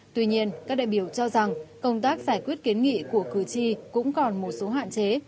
tuy nhiên các đại biểu cho rằng công tác giải quyết kiến nghị của cử tri cũng còn một số hạn chế